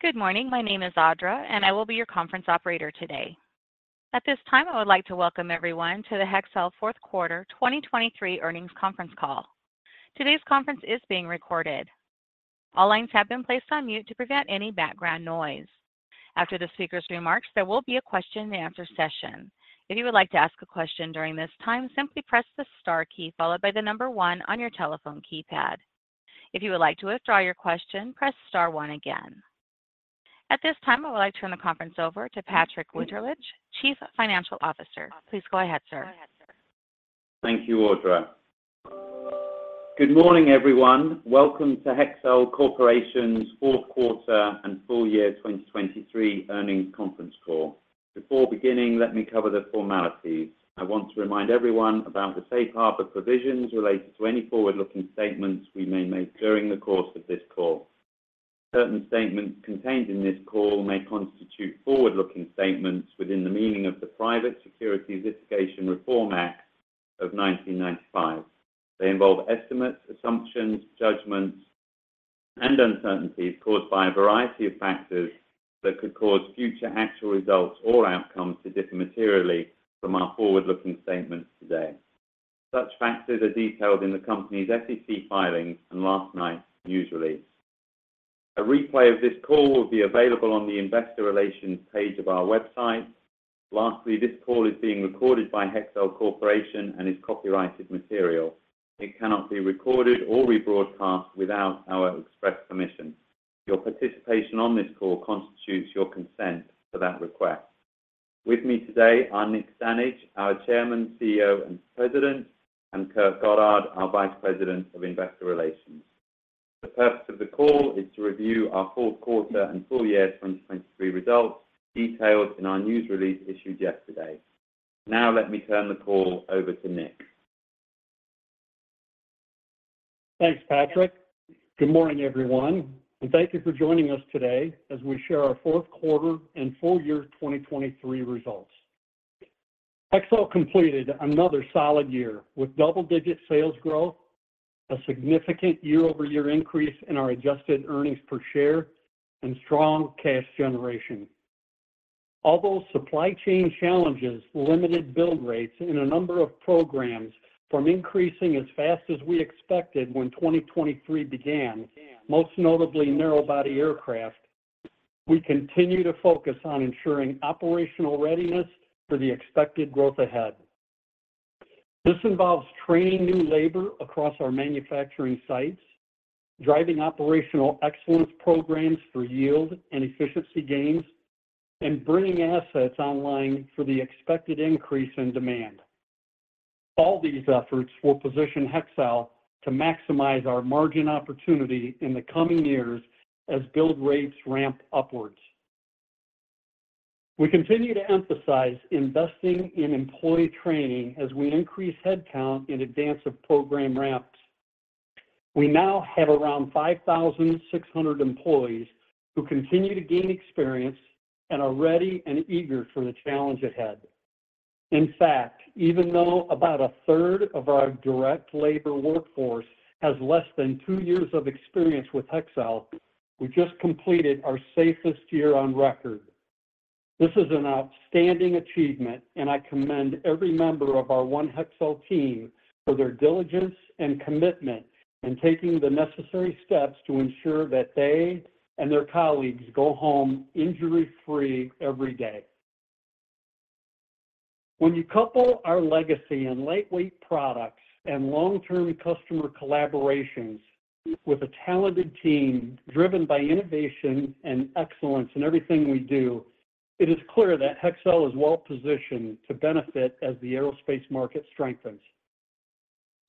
Good morning. My name is Audra, and I will be your conference operator today. At this time, I would like to welcome everyone to the Hexcel Fourth Quarter 2023 Earnings Conference Call. Today's conference is being recorded. All lines have been placed on mute to prevent any background noise. After the speaker's remarks, there will be a question-and-answer session. If you would like to ask a question during this time, simply press the star key followed by the number one on your telephone keypad. If you would like to withdraw your question, press star one again. At this time, I would like to turn the conference over to Patrick Winterlich, Chief Financial Officer. Please go ahead, sir. Thank you, Audra. Good morning, everyone. Welcome to Hexcel Corporation's fourth quarter and full year 2023 earnings conference call. Before beginning, let me cover the formalities. I want to remind everyone about the safe harbor provisions related to any forward-looking statements we may make during the course of this call. Certain statements contained in this call may constitute forward-looking statements within the meaning of the Private Securities Litigation Reform Act of 1995. They involve estimates, assumptions, judgments, and uncertainties caused by a variety of factors that could cause future actual results or outcomes to differ materially from our forward-looking statements today. Such factors are detailed in the company's SEC filings and last night's news release. A replay of this call will be available on the investor relations page of our website. Lastly, this call is being recorded by Hexcel Corporation and is copyrighted material. It cannot be recorded or rebroadcast without our express permission. Your participation on this call constitutes your consent for that request. With me today are Nick Stanage, our Chairman, CEO, and President, and Kurt Goddard, our Vice President of Investor Relations. The purpose of the call is to review our fourth quarter and full year 2023 results, detailed in our news release issued yesterday. Now let me turn the call over to Nick. Thanks, Patrick. Good morning, everyone, and thank you for joining us today as we share our fourth quarter and full year 2023 results. Hexcel completed another solid year with double-digit sales growth, a significant YoY increase in our adjusted earnings per share, and strong cash generation. Although supply chain challenges limited build rates in a number of programs from increasing as fast as we expected when 2023 began, most notably narrow-body aircraft, we continue to focus on ensuring operational readiness for the expected growth ahead. This involves training new labor across our manufacturing sites, driving operational excellence programs for yield and efficiency gains, and bringing assets online for the expected increase in demand. All these efforts will position Hexcel to maximize our margin opportunity in the coming years as build rates ramp upwards. We continue to emphasize investing in employee training as we increase headcount in advance of program ramps. We now have around 5,600 employees who continue to gain experience and are ready and eager for the challenge ahead. In fact, even though about a third of our direct labor workforce has less than two years of experience with Hexcel, we just completed our safest year on record. This is an outstanding achievement, and I commend every member of our One Hexcel team for their diligence and commitment in taking the necessary steps to ensure that they and their colleagues go home injury-free every day. When you couple our legacy and lightweight products and long-term customer collaborations with a talented team driven by innovation and excellence in everything we do, it is clear that Hexcel is well positioned to benefit as the aerospace market strengthens.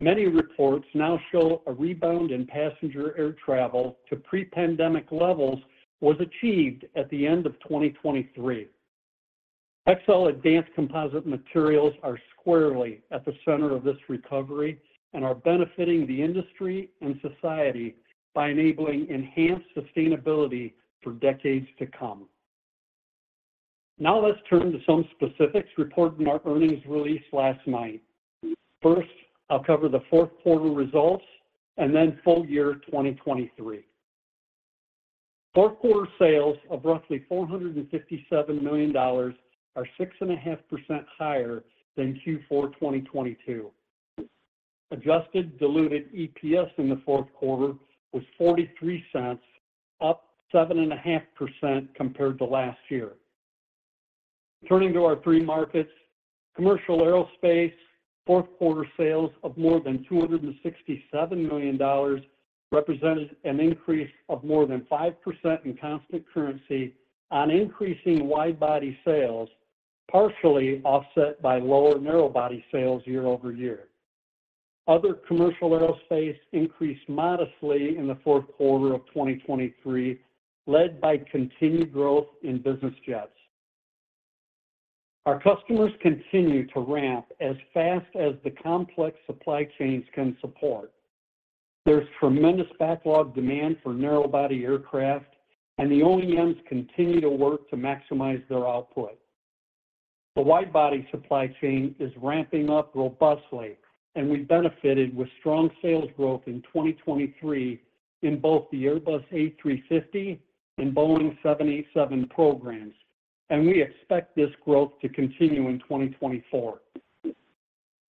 Many reports now show a rebound in passenger air travel to pre-pandemic levels was achieved at the end of 2023. Hexcel advanced composite materials are squarely at the center of this recovery and are benefiting the industry and society by enabling enhanced sustainability for decades to come. Now let's turn to some specifics reported in our earnings release last night. First, I'll cover the fourth quarter results and then full year 2023. Fourth quarter sales of roughly $457 million are 6.5% higher than Q4 2022. Adjusted Diluted EPS in the fourth quarter was $0.43, up 7.5% compared to last year. Turning to our three markets, commercial aerospace, fourth quarter sales of more than $267 million represented an increase of more than 5% in constant currency on increasing wide-body sales, partially offset by lower narrow-body sales YoY. Other commercial aerospace increased modestly in the fourth quarter of 2023, led by continued growth in business jets. Our customers continue to ramp as fast as the complex supply chains can support. There's tremendous backlog demand for narrow-body aircraft, and the OEMs continue to work to maximize their output.... The wide-body supply chain is ramping up robustly, and we benefited with strong sales growth in 2023 in both the Airbus A350 and Boeing 787 programs, and we expect this growth to continue in 2024.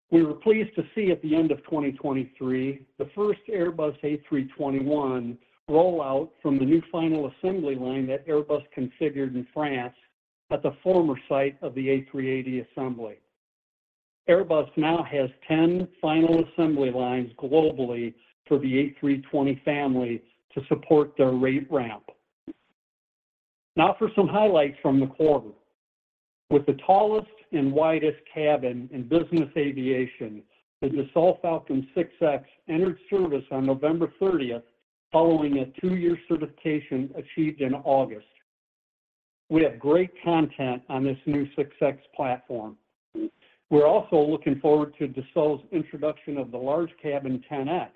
We were pleased to see at the end of 2023, the first Airbus A321 roll out from the new final assembly line that Airbus configured in France at the former site of the A380 assembly. Airbus now has 10 final assembly lines globally for the A320 family to support their rate ramp. Now for some highlights from the quarter. With the tallest and widest cabin in business aviation, the Dassault Falcon 6X entered service on November 30th, following a two-year certification achieved in August. We have great content on this new 6X platform. We're also looking forward to Dassault's introduction of the large cabin 10X,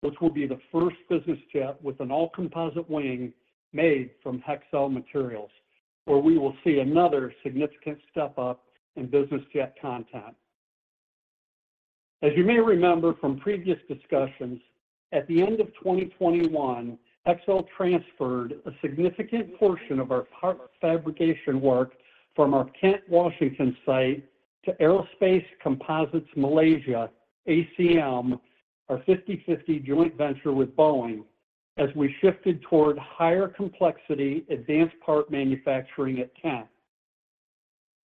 which will be the first business jet with an all-composite wing made from Hexcel materials, where we will see another significant step up in business jet content. As you may remember from previous discussions, at the end of 2021, Hexcel transferred a significant portion of our part fabrication work from our Kent, Washington, site to Aerospace Composites Malaysia, ACM, our 50/50 joint venture with Boeing, as we shifted toward higher complexity, advanced part manufacturing at Kent.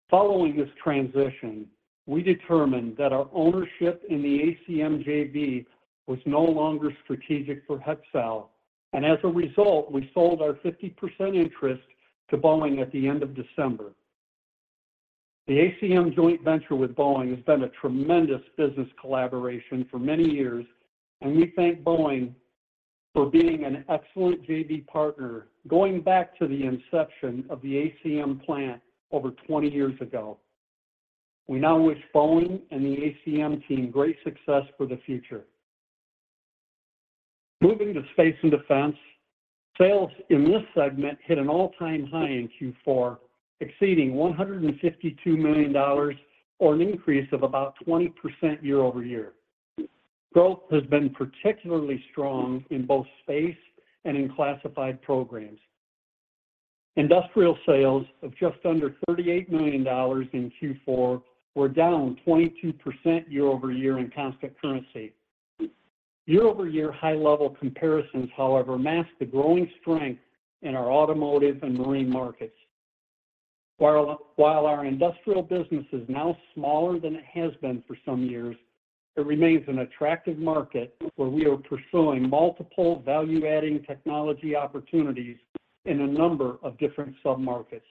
Following this transition, we determined that our ownership in the ACM JV was no longer strategic for Hexcel, and as a result, we sold our 50% interest to Boeing at the end of December. The ACM joint venture with Boeing has been a tremendous business collaboration for many years, and we thank Boeing for being an excellent JV partner, going back to the inception of the ACM plant over 20 years ago. We now wish Boeing and the ACM team great success for the future. Moving to space and defense, sales in this segment hit an all-time high in Q4, exceeding $152 million, or an increase of about 20% YoY. Growth has been particularly strong in both space and in classified programs. Industrial sales of just under $38 million in Q4 were down 22% YoY in constant currency. YoY high-level comparisons, however, mask the growing strength in our automotive and marine markets. While our industrial business is now smaller than it has been for some years, it remains an attractive market where we are pursuing multiple value-adding technology opportunities in a number of different submarkets.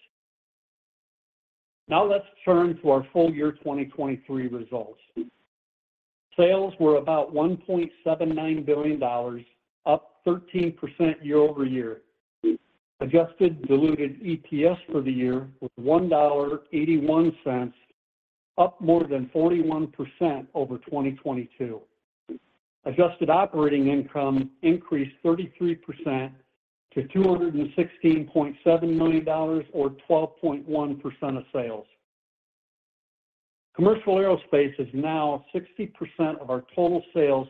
Now let's turn to our full year 2023 results. Sales were about $1.79 billion, up 13% YoY. Adjusted Diluted EPS for the year was $1.81, up more than 41% over 2022. Adjusted operating income increased 33% to $216.7 million or 12.1% of sales. Commercial aerospace is now 60% of our total sales,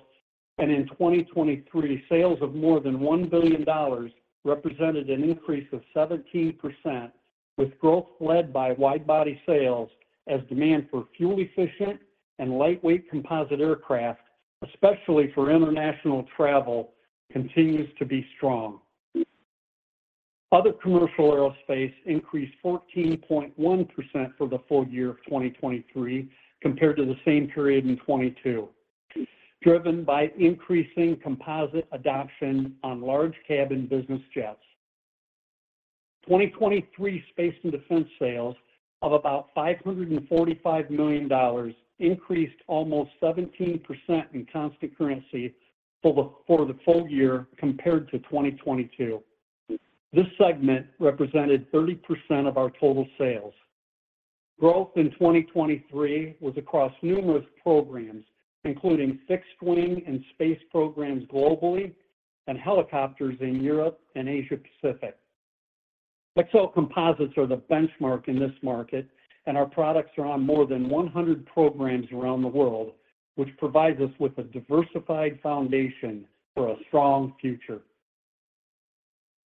and in 2023, sales of more than $1 billion represented an increase of 17%, with growth led by wide-body sales as demand for fuel-efficient and lightweight composite aircraft, especially for international travel, continues to be strong. Other commercial aerospace increased 14.1% for the full year of 2023 compared to the same period in 2022, driven by increasing composite adoption on large cabin business jets. 2023 space and defense sales of about $545 million increased almost 17% in constant currency for the full year compared to 2022. This segment represented 30% of our total sales. Growth in 2023 was across numerous programs, including fixed wing and space programs globally and helicopters in Europe and Asia Pacific. Hexcel composites are the benchmark in this market, and our products are on more than 100 programs around the world, which provides us with a diversified foundation for a strong future.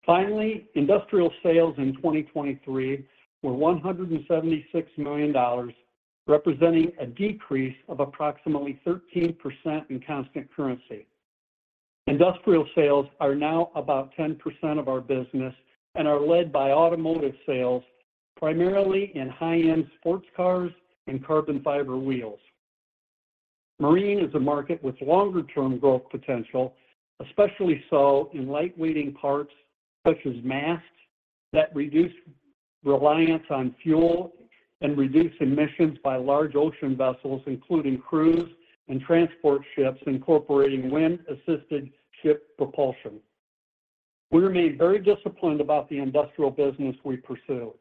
Finally, industrial sales in 2023 were $176 million, representing a decrease of approximately 13% in constant currency. Industrial sales are now about 10% of our business and are led by automotive sales, primarily in high-end sports cars and carbon fiber wheels. Marine is a market with longer-term growth potential, especially so in lightweighting parts, such as masts, that reduce reliance on fuel and reduce emissions by large ocean vessels, including cruise and transport ships, incorporating wind-assisted ship propulsion. We remain very disciplined about the industrial business we pursue.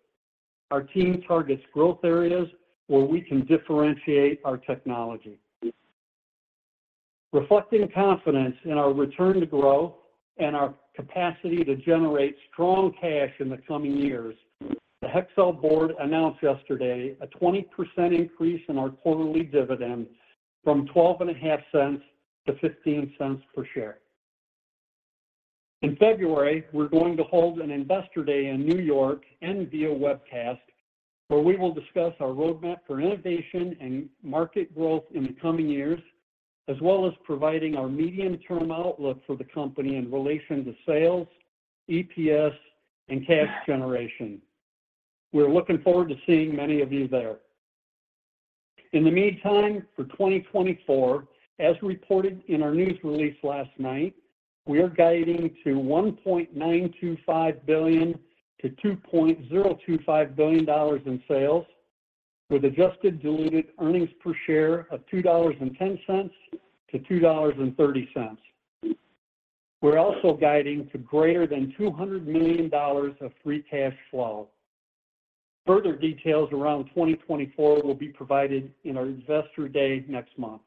Our team targets growth areas where we can differentiate our technology.... Reflecting confidence in our return to growth and our capacity to generate strong cash in the coming years, the Hexcel Board announced yesterday a 20% increase in our quarterly dividend from $0.125 to $0.15 per share. In February, we're going to hold an Investor Day in New York and via webcast, where we will discuss our roadmap for innovation and market growth in the coming years, as well as providing our medium-term outlook for the company in relation to sales, EPS, and cash generation. We're looking forward to seeing many of you there. In the meantime, for 2024, as reported in our news release last night, we are guiding to $1.925 billion-$2.025 billion in sales, with adjusted diluted earnings per share of $2.10-$2.30. We're also guiding to greater than $200 million of free cash flow. Further details around 2024 will be provided in our Investor Day next month.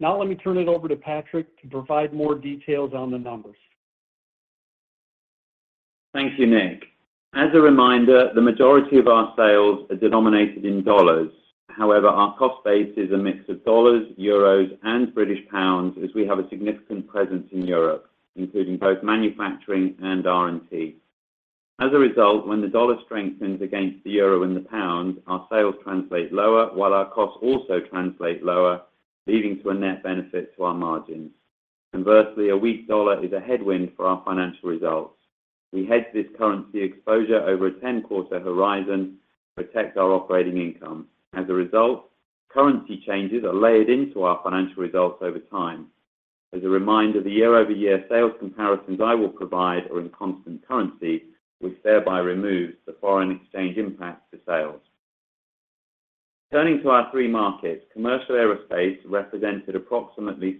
Now let me turn it over to Patrick to provide more details on the numbers. Thank you, Nick. As a reminder, the majority of our sales are denominated in dollars. However, our cost base is a mix of dollars, euros, and British pounds, as we have a significant presence in Europe, including both manufacturing and R&D. As a result, when the dollar strengthens against the euro and the pound, our sales translate lower, while our costs also translate lower, leading to a net benefit to our margins. Conversely, a weak dollar is a headwind for our financial results. We hedge this currency exposure over a 10-quarter horizon to protect our operating income. As a result, currency changes are layered into our financial results over time. As a reminder, the YoY sales comparisons I will provide are in constant currency, which thereby removes the foreign exchange impact to sales. Turning to our three markets, commercial aerospace represented approximately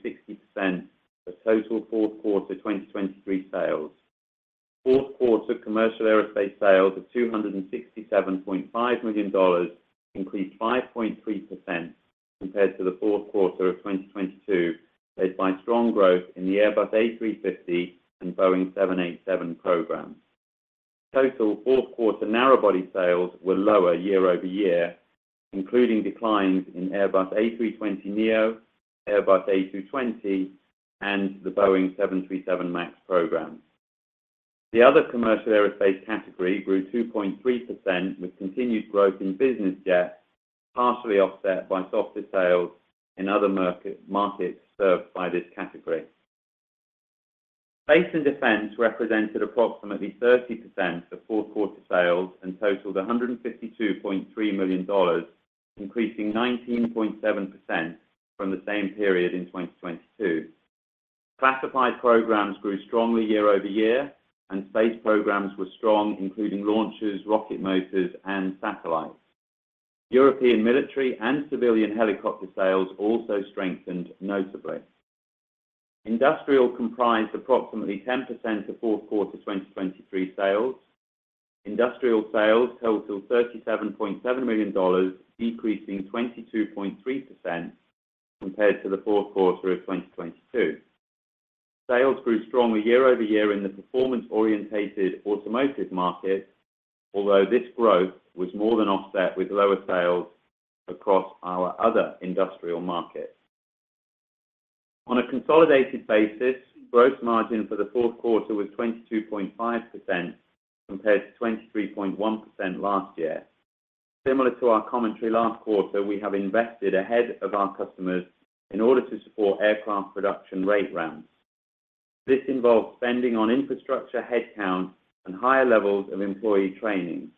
60% of total fourth quarter 2023 sales. Fourth quarter commercial aerospace sales of $267.5 million increased 5.3% compared to the fourth quarter of 2022, led by strong growth in the Airbus A350 and Boeing 787 programs. Total fourth quarter narrow-body sales were lower YoY, including declines in Airbus A320neo, Airbus A220, and the Boeing 737 MAX programs. The other commercial aerospace category grew 2.3%, with continued growth in business jets, partially offset by softer sales in other markets served by this category. Space and defense represented approximately 30% of fourth quarter sales and totaled $152.3 million, increasing 19.7% from the same period in 2022. Classified programs grew strongly YoY, and space programs were strong, including launches, rocket motors, and satellites. European military and civilian helicopter sales also strengthened notably. Industrial comprised approximately 10% of fourth quarter 2023 sales. Industrial sales totaled $37.7 million, decreasing 22.3% compared to the fourth quarter of 2022. Sales grew strongly YoY in the performance-orientated automotive market, although this growth was more than offset with lower sales across our other industrial markets. On a consolidated basis, gross margin for the fourth quarter was 22.5%, compared to 23.1% last year. Similar to our commentary last quarter, we have invested ahead of our customers in order to support aircraft production rate ramps. This involves spending on infrastructure, headcount, and higher levels of employee training.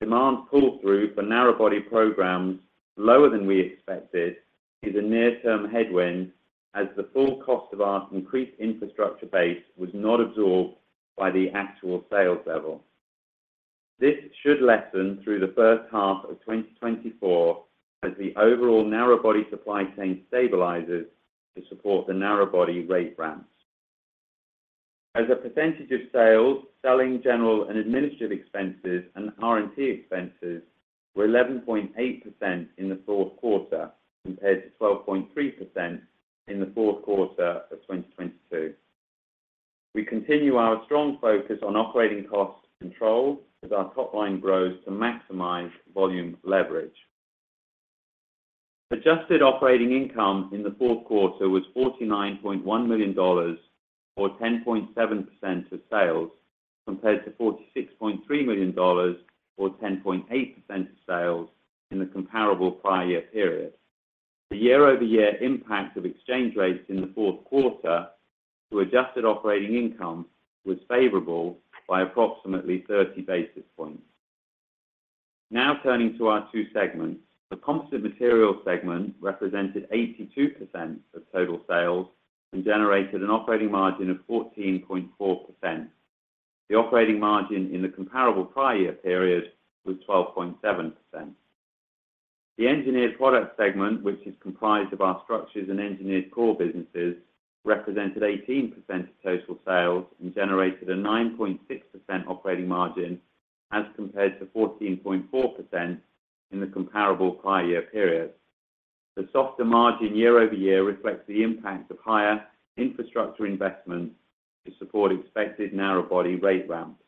Demand pull-through for narrow-body programs, lower than we expected, is a near-term headwind, as the full cost of our increased infrastructure base was not absorbed by the actual sales level. This should lessen through the first half of 2024 as the overall narrow-body supply chain stabilizes to support the narrow-body rate ramps. As a percentage of sales, selling, general and administrative expenses and R&D expenses were 11.8% in the fourth quarter, compared to 12.3% in the fourth quarter of 2022. We continue our strong focus on operating cost control as our top line grows to maximize volume leverage. Adjusted operating income in the fourth quarter was $49.1 million, or 10.7% of sales, compared to $46.3 million, or 10.8% of sales in the comparable prior year period. The YoY impact of exchange rates in the fourth quarter to adjusted operating income was favorable by approximately 30 basis points. Now turning to our two segments. The Composite Materials segment represented 82% of total sales and generated an operating margin of 14.4%. The operating margin in the comparable prior year period was 12.7%. The Engineered Products segment, which is comprised of our structures and engineered core businesses, represented 18% of total sales and generated a 9.6% operating margin, as compared to 14.4% in the comparable prior year period. The softer margin YoY reflects the impact of higher infrastructure investments to support expected narrow-body rate ramps.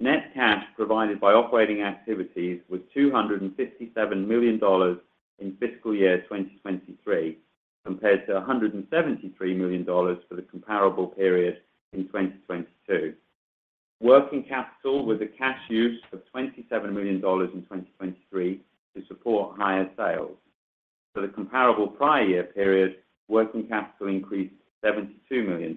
Net cash provided by operating activities was $257 million in fiscal year 2023, compared to $173 million for the comparable period in 2022. Working capital, with a cash use of $27 million in 2023 to support higher sales. For the comparable prior year period, working capital increased $72 million.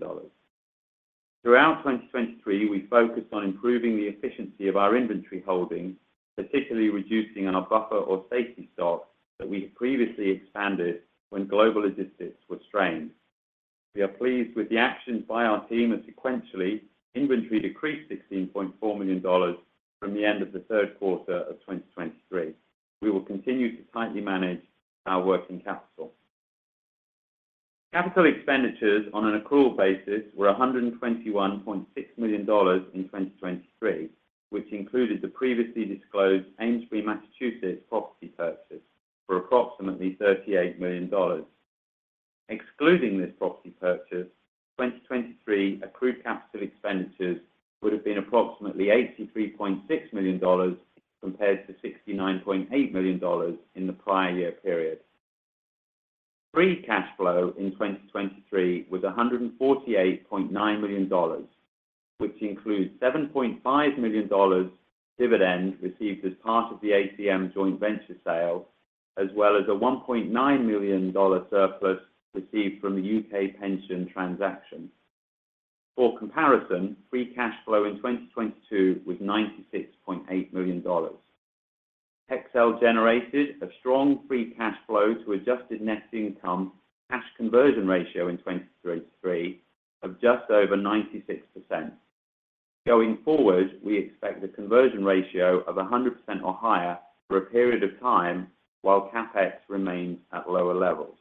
Throughout 2023, we focused on improving the efficiency of our inventory holdings, particularly reducing on our buffer or safety stock that we had previously expanded when global logistics were strained. We are pleased with the actions by our team, and sequentially, inventory decreased $16.4 million from the end of the third quarter of 2023. We will continue to tightly manage our working capital. Capital expenditures on an accrual basis were $121.6 million in 2023, which included the previously disclosed Amesbury, Massachusetts, property purchase for approximately $38 million. Excluding this property purchase, 2023 accrued capital expenditures would have been approximately $83.6 million, compared to $69.8 million in the prior year period. Free cash flow in 2023 was $148.9 million, which includes $7.5 million dividend received as part of the ACM joint venture sale, as well as a $1.9 million surplus received from the U.K. pension transaction. For comparison, free cash flow in 2022 was $96.8 million. Hexcel generated a strong free cash flow to adjusted net income cash conversion ratio in 2023 of just over 96%. Going forward, we expect a conversion ratio of 100% or higher for a period of time while CapEx remains at lower levels.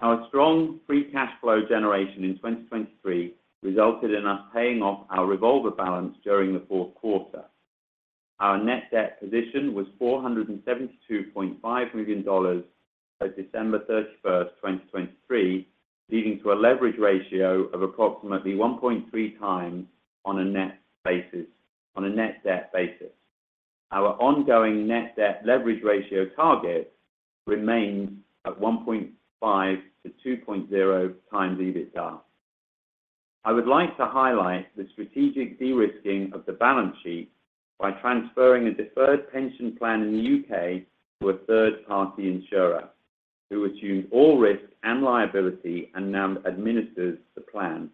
Our strong free cash flow generation in 2023 resulted in us paying off our revolver balance during the fourth quarter. Our net debt position was $472.5 million by December 31, 2023, leading to a leverage ratio of approximately 1.3 times on a net basis, on a net debt basis. Our ongoing net debt leverage ratio target remains at 1.5-2.0 times EBITDA. I would like to highlight the strategic de-risking of the balance sheet by transferring a deferred pension plan in the UK to a third-party insurer, who assumed all risks and liability and now administers the plan.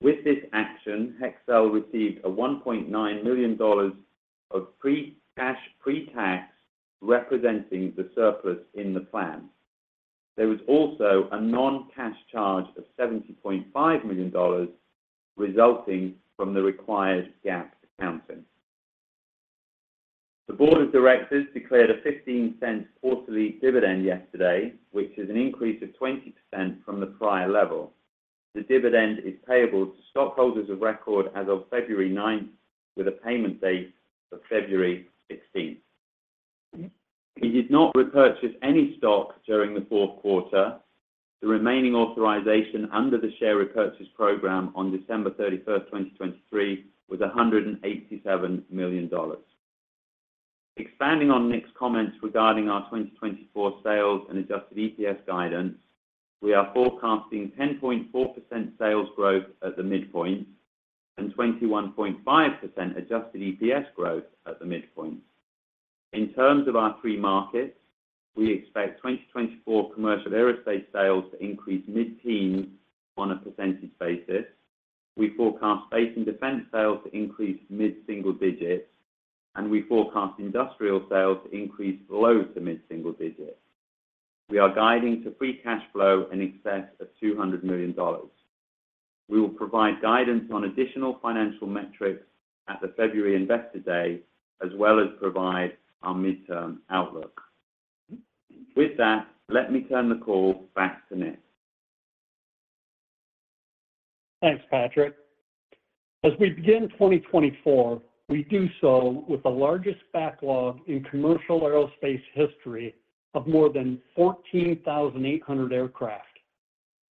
With this action, Hexcel received $1.9 million of free cash pre-tax, representing the surplus in the plan. There was also a non-cash charge of $70.5 million resulting from the required GAAP accounting. The board of directors declared a $0.15 quarterly dividend yesterday, which is an increase of 20% from the prior level. The dividend is payable to stockholders of record as of February ninth, with a payment date of February sixteenth. We did not repurchase any stock during the fourth quarter. The remaining authorization under the share repurchase program on December 31, 2023, was $187 million. Expanding on Nick's comments regarding our 2024 sales and adjusted EPS guidance, we are forecasting 10.4% sales growth at the midpoint and 21.5% adjusted EPS growth at the midpoint. In terms of our three markets, we expect 2024 commercial aerospace sales to increase mid-teens%. We forecast space and defense sales to increase mid-single digits%, and we forecast industrial sales to increase low- to mid-single digits%. We are guiding to free cash flow in excess of $200 million. We will provide guidance on additional financial metrics at the February Investor Day, as well as provide our midterm outlook. With that, let me turn the call back to Nick. Thanks, Patrick. As we begin 2024, we do so with the largest backlog in commercial aerospace history of more than 14,800 aircraft.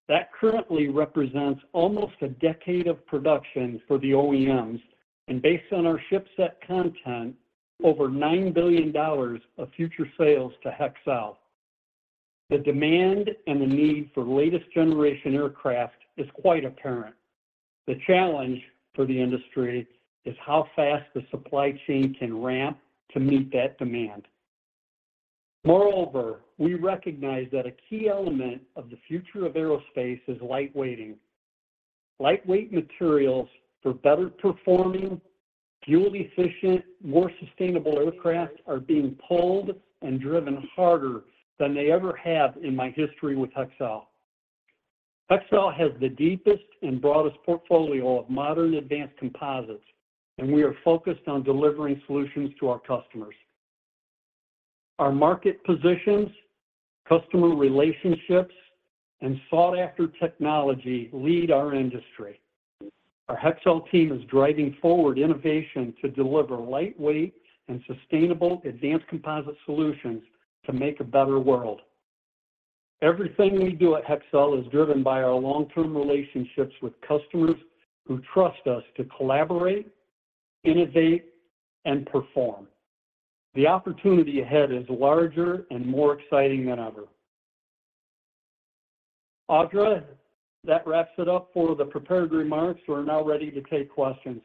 That currently represents almost a decade of production for the OEMs, and based on our shipset content, over $9 billion of future sales to Hexcel. The demand and the need for latest generation aircraft is quite apparent. The challenge for the industry is how fast the supply chain can ramp to meet that demand. Moreover, we recognize that a key element of the future of aerospace is light weighting. Lightweight materials for better performing, fuel-efficient, more sustainable aircraft are being pulled and driven harder than they ever have in my history with Hexcel.... Hexcel has the deepest and broadest portfolio of modern advanced composites, and we are focused on delivering solutions to our customers. Our market positions, customer relationships, and sought-after technology lead our industry. Our Hexcel team is driving forward innovation to deliver lightweight and sustainable advanced composite solutions to make a better world. Everything we do at Hexcel is driven by our long-term relationships with customers who trust us to collaborate, innovate, and perform. The opportunity ahead is larger and more exciting than ever. Audra, that wraps it up for the prepared remarks. We're now ready to take questions.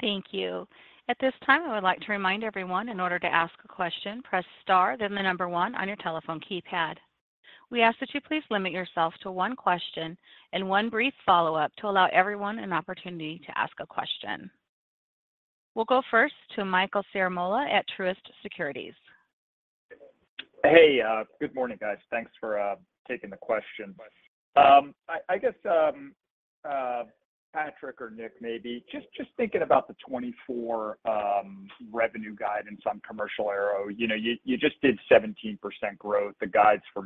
Thank you. At this time, I would like to remind everyone, in order to ask a question, press Star, then the number one on your telephone keypad. We ask that you please limit yourself to one question and one brief follow-up to allow everyone an opportunity to ask a question. We'll go first to Michael Ciarmoli at Truist Securities. Hey, good morning, guys. Thanks for taking the question. I guess, Patrick or Nick, maybe, just thinking about the 2024 revenue guidance on commercial aero, you know, you just did 17% growth, the guides for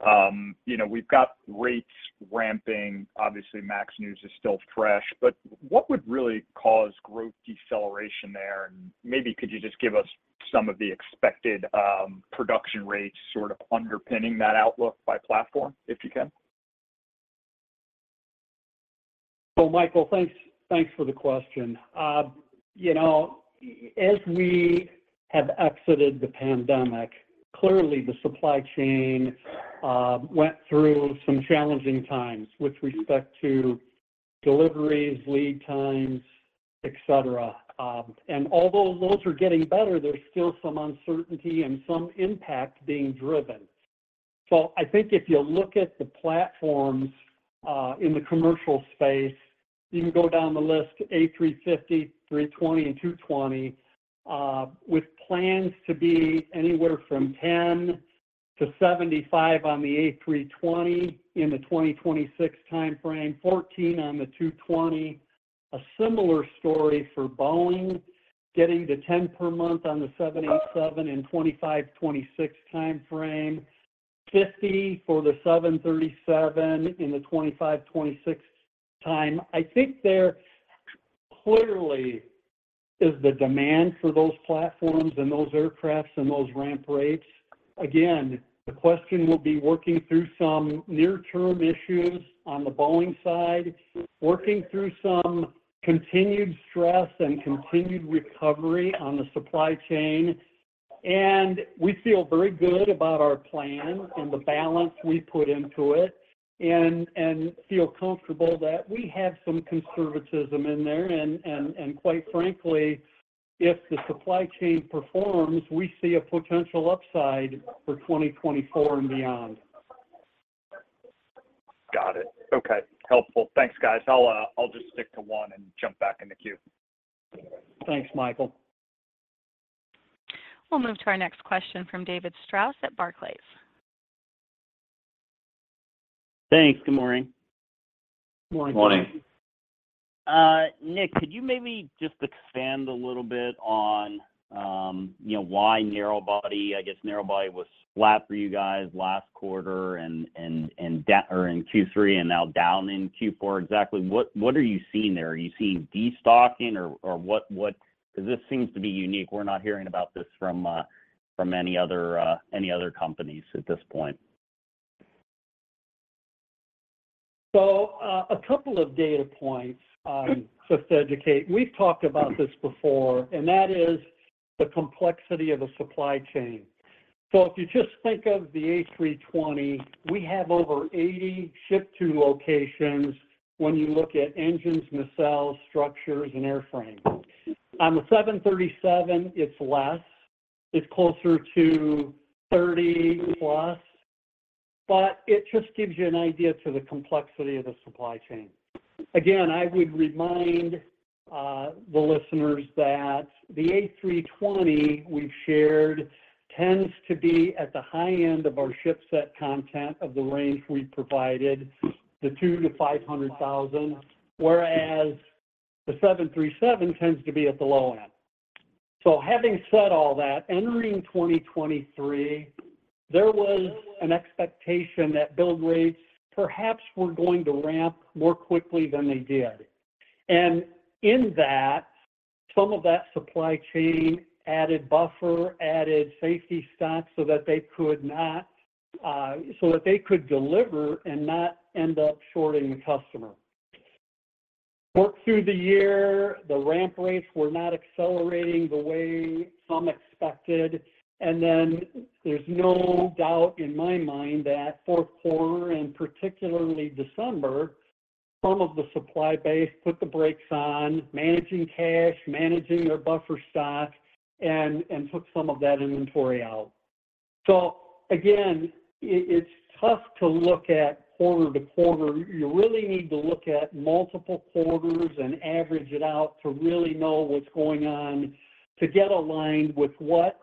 mid-teens. You know, we've got rates ramping. Obviously, MAX news is still fresh, but what would really cause growth deceleration there? And maybe could you just give us some of the expected production rates sort of underpinning that outlook by platform, if you can? So Michael, thanks, thanks for the question. You know, as we have exited the pandemic, clearly, the supply chain went through some challenging times with respect to deliveries, lead times, et cetera. And although those are getting better, there's still some uncertainty and some impact being driven. So I think if you look at the platforms in the commercial space, you can go down the list, A350, A320, and A220, with plans to be anywhere from 10-75 on the A320 in the 2026 time frame, 14 on the A220. A similar story for Boeing, getting to 10 per month on the 787 in 2025-2026 time frame, 50 for the 737 in the 2025-2026 time. I think there clearly is the demand for those platforms and those aircrafts and those ramp rates. Again, the question will be working through some near-term issues on the Boeing side, working through some continued stress and continued recovery on the supply chain. And we feel very good about our plan and the balance we put into it, and feel comfortable that we have some conservatism in there. And quite frankly, if the supply chain performs, we see a potential upside for 2024 and beyond. Got it. Okay. Helpful. Thanks, guys. I'll just stick to one and jump back in the queue. Thanks, Michael. We'll move to our next question from David Strauss at Barclays. Thanks. Good morning. Good morning. Morning. Nick, could you maybe just expand a little bit on, you know, why narrow-body? I guess narrow-body was flat for you guys last quarter and down or in Q3 and now down in Q4. Exactly what are you seeing there? Are you seeing destocking or what? Because this seems to be unique. We're not hearing about this from any other companies at this point. So, a couple of data points, just to educate. We've talked about this before, and that is the complexity of a supply chain. So if you just think of the A320, we have over 80 ship-to locations when you look at engines, nacelles, structures, and airframes. On the 737, it's less. It's closer to 30+, but it just gives you an idea for the complexity of the supply chain. Again, I would remind the listeners that the A320 we've shared tends to be at the high end of our shipset content of the range we provided, the $200,000-$500,000, whereas the 737 tends to be at the low end. So having said all that, entering 2023, there was an expectation that build rates perhaps were going to ramp more quickly than they did. In that, some of that supply chain added buffer, added safety stocks so that they could not, so that they could deliver and not end up shorting the customer. Working through the year, the ramp rates were not accelerating the way some expected, and then there's no doubt in my mind that fourth quarter, and particularly December, some of the supply base put the brakes on managing cash, managing their buffer stock, and, and took some of that inventory out. So again, it, it's tough to look at quarter to quarter. You really need to look at multiple quarters and average it out to really know what's going on, to get aligned with what-...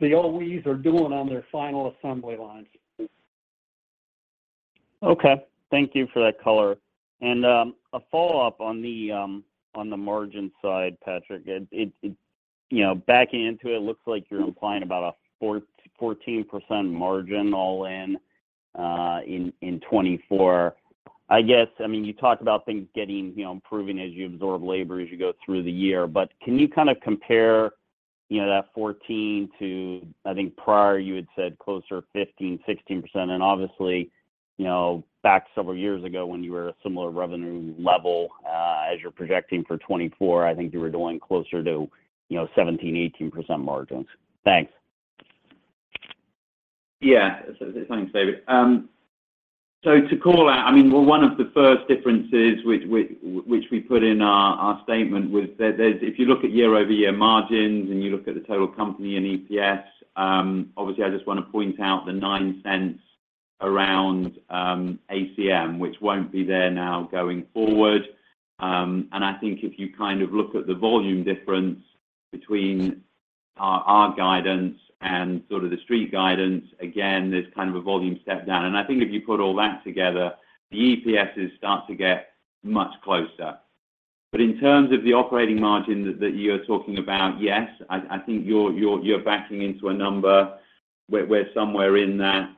the OEs are doing on their final assembly lines. Okay, thank you for that color. A follow-up on the margin side, Patrick. It, you know, backing into it, looks like you're implying about a 14% margin all in, in 2024. I guess, I mean, you talked about things getting, you know, improving as you absorb labor as you go through the year, but can you kind of compare, you know, that 14% to, I think prior you had said closer to 15%, 16%. And obviously, you know, back several years ago when you were a similar revenue level, as you're projecting for 2024, I think you were doing closer to, you know, 17%, 18% margins. Thanks. Yeah, thanks, David. So to call out, I mean, well, one of the first differences which we put in our statement was that there's, if you look at YoY margins, and you look at the total company in EPS, obviously, I just want to point out the $0.09 around ACM, which won't be there now going forward. And I think if you kind of look at the volume difference between our guidance and sort of the street guidance, again, there's kind of a volume step down. And I think if you put all that together, the EPSs start to get much closer. But in terms of the operating margin that you're talking about, yes, I think you're backing into a number where somewhere in that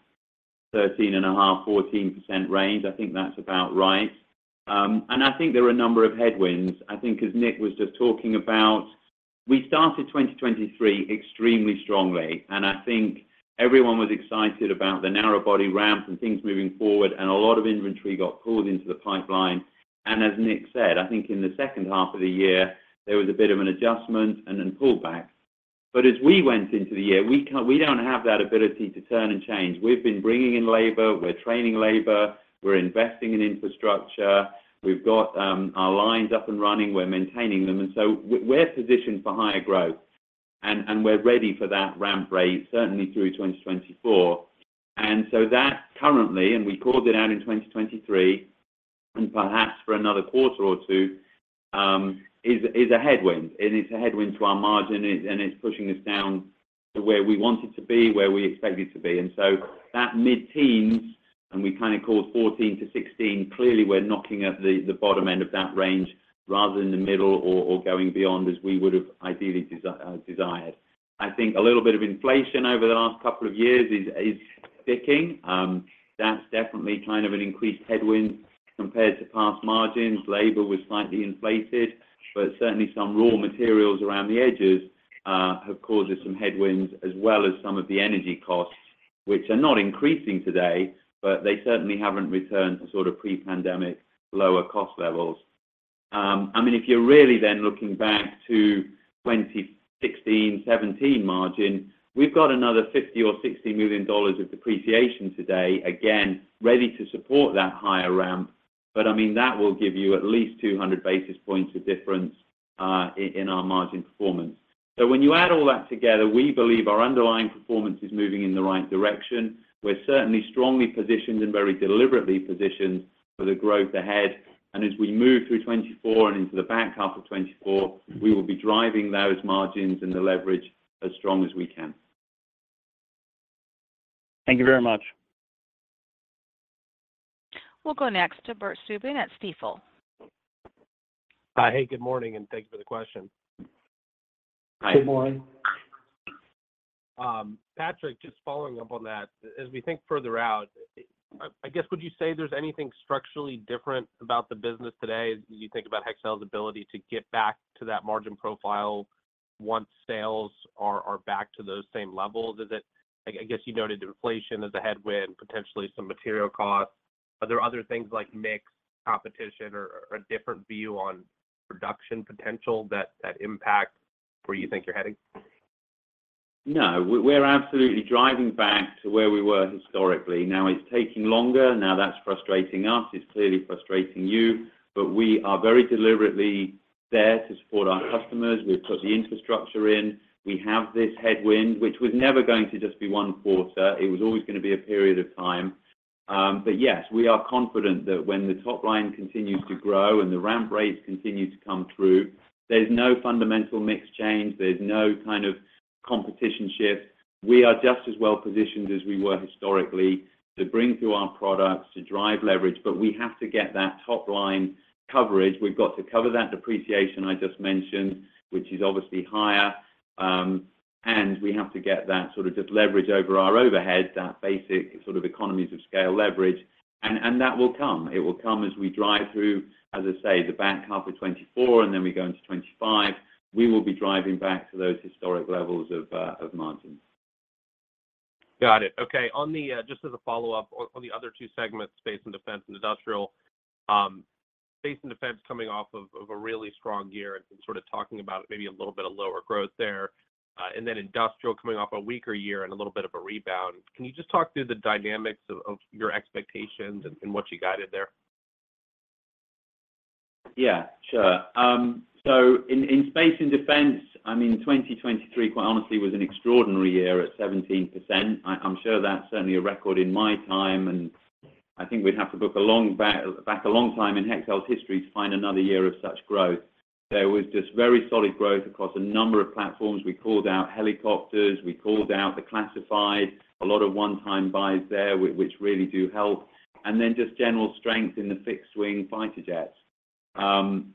13.5%-14% range. I think that's about right. And I think there are a number of headwinds. I think as Nick was just talking about, we started 2023 extremely strongly, and I think everyone was excited about the narrow body ramps and things moving forward, and a lot of inventory got pulled into the pipeline. And as Nick said, I think in the second half of the year, there was a bit of an adjustment and then pullback. But as we went into the year, we don't have that ability to turn and change. We've been bringing in labor, we're training labor, we're investing in infrastructure, we've got our lines up and running, we're maintaining them, and so we're positioned for higher growth, and we're ready for that ramp rate, certainly through 2024. So that currently, and we called it out in 2023, and perhaps for another quarter or two, is a headwind. It is a headwind to our margin, and it's pushing us down to where we want it to be, where we expected to be. So that mid-teens, and we kind of called 14-16, clearly, we're knocking at the bottom end of that range rather than the middle or going beyond as we would have ideally desired. I think a little bit of inflation over the last couple of years is sticking. That's definitely kind of an increased headwind compared to past margins. Labor was slightly inflated, but certainly some raw materials around the edges have caused us some headwinds, as well as some of the energy costs, which are not increasing today, but they certainly haven't returned to sort of pre-pandemic, lower cost levels. I mean, if you're really then looking back to 2016, 2017 margin, we've got another $50 million or $60 million of depreciation today, again, ready to support that higher ramp. But I mean, that will give you at least 200 basis points of difference in our margin performance. So when you add all that together, we believe our underlying performance is moving in the right direction. We're certainly strongly positioned and very deliberately positioned for the growth ahead. As we move through 2024 and into the back half of 2024, we will be driving those margins and the leverage as strong as we can. Thank you very much. We'll go next to Bert Subin at Stifel. Hi. Hey, good morning, and thanks for the question. Hi. Good morning. Patrick, just following up on that, as we think further out, I guess, would you say there's anything structurally different about the business today as you think about Hexcel's ability to get back to that margin profile once sales are back to those same levels? I guess you noted inflation as a headwind, potentially some material costs. Are there other things like mix, competition, or a different view on production potential that impact where you think you're heading? No, we're absolutely driving back to where we were historically. Now, it's taking longer. Now, that's frustrating us. It's clearly frustrating you, but we are very deliberately there to support our customers. We've put the infrastructure in. We have this headwind, which was never going to just be one quarter. It was always gonna be a period of time. But yes, we are confident that when the top line continues to grow and the ramp rates continue to come through, there's no fundamental mix change, there's no kind of competition shift. We are just as well positioned as we were historically to bring through our products, to drive leverage, but we have to get that top line coverage. We've got to cover that depreciation I just mentioned, which is obviously higher, and we have to get that sort of just leverage over our overhead, that basic sort of economies of scale leverage, and that will come. It will come as we drive through, as I say, the back half of 2024, and then we go into 2025. We will be driving back to those historic levels of margin. Got it. Okay, on the, just as a follow-up on, on the other two segments, Space and Defense and Industrial. Space and Defense coming off of, of a really strong year and sort of talking about maybe a little bit of lower growth there, and then Industrial coming off a weaker year and a little bit of a rebound. Can you just talk through the dynamics of, of your expectations and, and what you guided there? Yeah, sure. So in space and defense, I mean, 2023, quite honestly, was an extraordinary year at 17%. I'm sure that's certainly a record in my time, and I think we'd have to look a long back a long time in Hexcel's history to find another year of such growth. There was just very solid growth across a number of platforms. We called out helicopters, we called out the classified, a lot of one-time buys there, which really do help, and then just general strength in the fixed-wing fighter jets.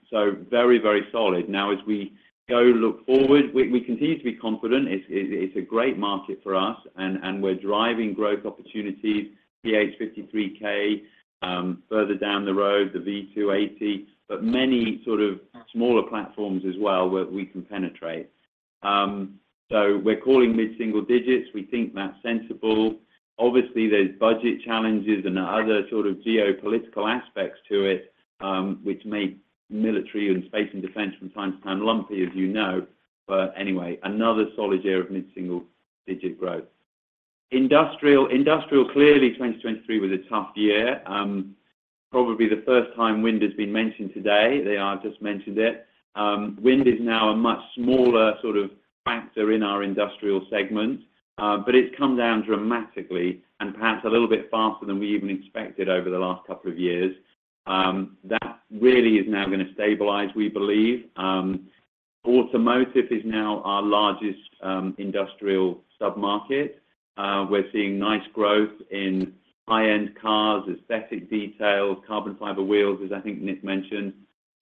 So very, very solid. Now, as we go look forward, we continue to be confident. It's a great market for us, and we're driving growth opportunities, the CH-53K, further down the road, the V-280, but many sort of smaller platforms as well, where we can penetrate. So we're calling mid-single digits. We think that's sensible. Obviously, there's budget challenges and other sort of geopolitical aspects to it, which make military and space and defense from time to time lumpy, as you know. But anyway, another solid year of mid-single-digit growth. Industrial, clearly, 2023 was a tough year. Probably the first time wind has been mentioned today. There, I've just mentioned it. Wind is now a much smaller sort of factor in our industrial segment, but it's come down dramatically and perhaps a little bit faster than we even expected over the last couple of years. That really is now going to stabilize, we believe. Automotive is now our largest industrial submarket. We're seeing nice growth in high-end cars, aesthetic details, carbon fiber wheels, as I think Nick mentioned.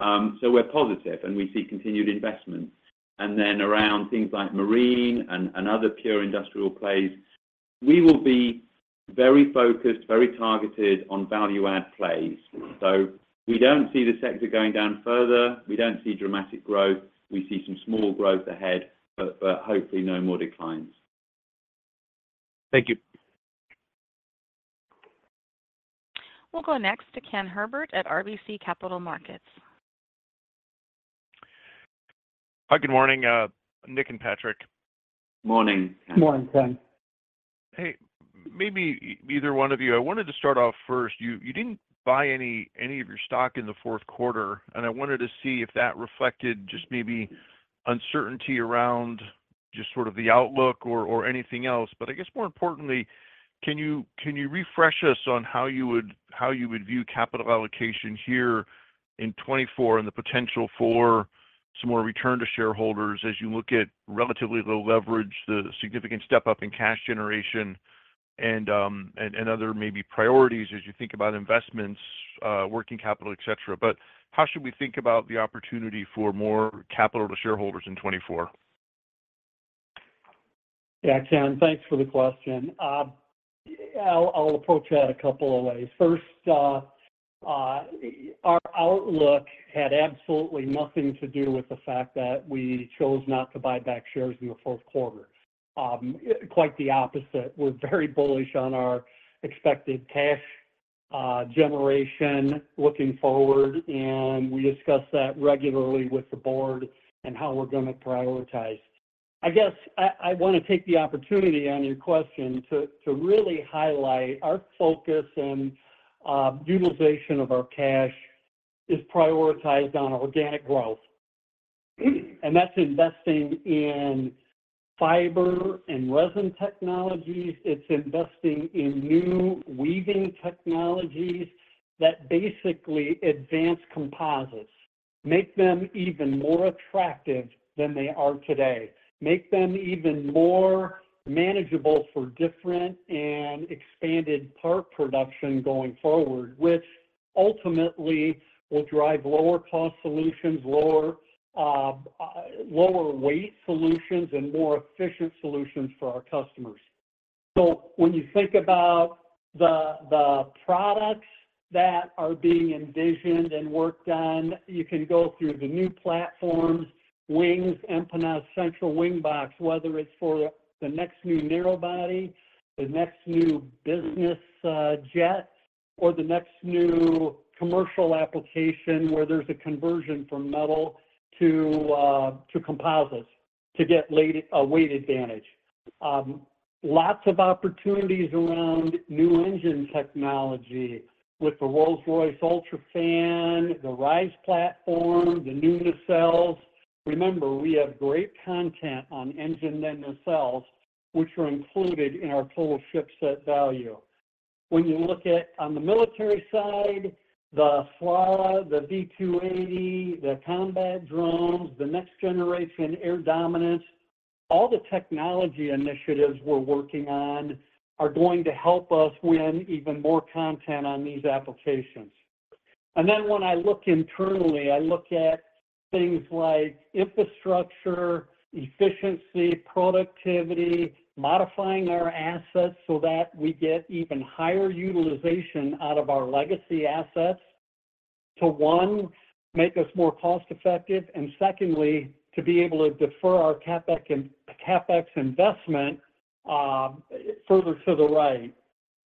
So we're positive, and we see continued investment. And then around things like marine and other pure industrial plays, we will be very focused, very targeted on value add plays. So we don't see the sector going down further. We don't see dramatic growth. We see some small growth ahead, but hopefully no more declines. Thank you. We'll go next to Ken Herbert at RBC Capital Markets. Hi, good morning, Nick and Patrick. Morning, Ken. Morning, Ken. Hey, maybe either one of you, I wanted to start off first, you didn't buy any of your stock in the fourth quarter, and I wanted to see if that reflected just maybe uncertainty around just sort of the outlook or anything else. But I guess more importantly, can you refresh us on how you would view capital allocation here in 2024 and the potential for some more return to shareholders as you look at relatively low leverage, the significant step up in cash generation, and other maybe priorities as you think about investments, working capital, et cetera. But how should we think about the opportunity for more capital to shareholders in 2024? Yeah, Ken, thanks for the question. I'll approach that a couple of ways. First, our outlook had absolutely nothing to do with the fact that we chose not to buy back shares in the fourth quarter. Quite the opposite. We're very bullish on our expected cash generation looking forward, and we discuss that regularly with the board and how we're going to prioritize. I guess I want to take the opportunity on your question to really highlight our focus and utilization of our cash is prioritized on organic growth, and that's investing in fiber and resin technologies. It's investing in new weaving technologies that basically advance composites, make them even more attractive than they are today, make them even more manageable for different and expanded part production going forward, which ultimately will drive lower cost solutions, lower, lower weight solutions, and more efficient solutions for our customers. So when you think about the the products that are being envisioned and worked on, you can go through the new platforms, wings, empennage, central wing box, whether it's for the next new narrow-body, the next new business jet, or the next new commercial application, where there's a conversion from metal to to composites to get a weight advantage. Lots of opportunities around new engine technology with the Rolls-Royce UltraFan, the RISE platform, the new nacelles. Remember, we have great content on engine and nacelles, which are included in our total shipset value. When you look at on the military side, the FLRAA, the V-280, the combat drones, the Next Generation Air Dominance, all the technology initiatives we're working on are going to help us win even more content on these applications. And then when I look internally, I look at things like infrastructure, efficiency, productivity, modifying our assets so that we get even higher utilization out of our legacy assets to, one, make us more cost-effective, and secondly, to be able to defer our CapEx investment further to the right.